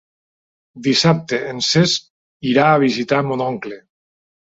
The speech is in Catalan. Dissabte en Cesc irà a visitar mon oncle.